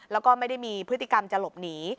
แล้วก็ไม่ได้มีพฤติกรรมจะหลบหนี